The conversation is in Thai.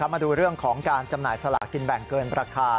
มาดูเรื่องของการจำหน่ายสลากินแบ่งเกินราคา